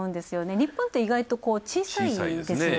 日本って意外と小さいですよね。